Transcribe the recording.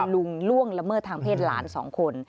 ล่วงละเมิดทางเพศหลาน๒คน